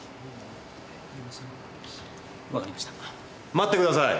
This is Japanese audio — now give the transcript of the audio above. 待ってください！